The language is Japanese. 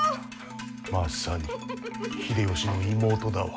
まさに、秀吉の妹だわ。